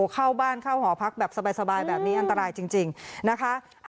เข้าบ้านเข้าหอพักแบบสบายแบบนี้อันตรายจริงนะคะ